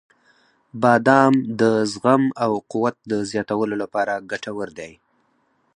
• بادام د زغم او قوت د زیاتولو لپاره ګټور دی.